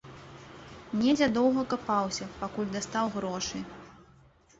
Недзе доўга капаўся, пакуль дастаў грошы.